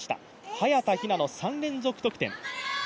早田ひなの３連続得点。